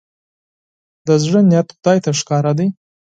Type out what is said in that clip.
د زړه نيت خدای ته ښکاره دی.